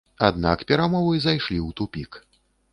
Аднак перамовы зайшлі ў тупік.